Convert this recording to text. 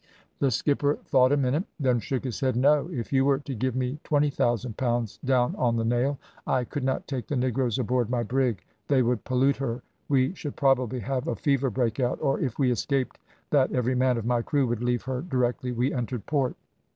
"The skipper thought a minute, then shook his head. `No, if you were to give me 20,000 pounds down on the nail, I could not take the negroes aboard my brig. They would pollute her, we should probably have a fever break out, or if we escaped that every man of my crew would leave her directly we entered port.'